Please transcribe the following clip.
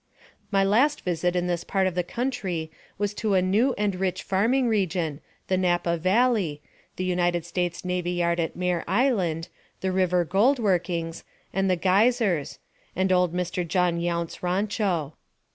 My last visit in this part of the country was to a new and rich farming region, the Napa Valley, the United States Navy Yard at Mare Island, the river gold workings, and the Geysers, and old Mr. John Yount's rancho.